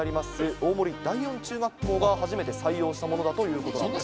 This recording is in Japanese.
大森第四中学校が初めて採用したものだということなんです。